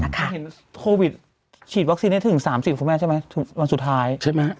เห็นโควิดฉีดวัคซีนได้ถึง๓๐คุณแม่ใช่ไหมถึงวันสุดท้ายใช่ไหม